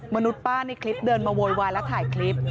มนุษย์ป้าในคลิปเดินมาโวยวายแล้วถ่ายคลิป